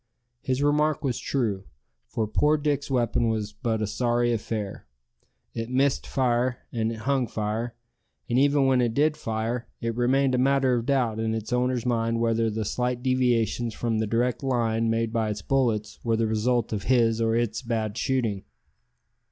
His remark was true, for poor Dick's weapon was but a sorry affair. It missed fire, and it hung fire; and even when it did fire, it remained a matter of doubt in its owner's mind whether the slight deviations from the direct line made by his bullets were the result of his or its bad shooting.